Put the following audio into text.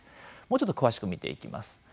もうちょっと詳しく見ていきます。